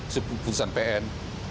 sebut putusan pn